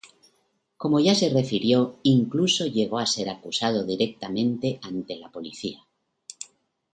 Como ya se refirió, incluso llegó a ser acusado directamente ante la policía.